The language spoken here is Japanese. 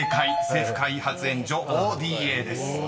政府開発援助「ＯＤＡ」です］